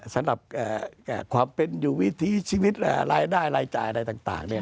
สำหรับความเป็นอยู่วิถีชีวิตรายได้รายจ่ายอะไรต่าง